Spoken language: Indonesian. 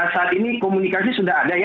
saat ini komunikasi sudah ada ya